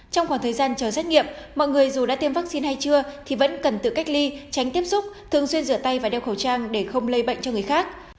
trong khoảng thời gian chờ xét nghiệm mọi người dù đã tiêm vaccine hay chưa thì vẫn cần tự cách ly tránh tiếp xúc thường xuyên rửa tay và đeo khẩu trang để không lây bệnh cho người khác